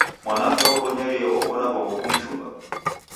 Mwanape wabonyeria oko na w'ongo kumchumba.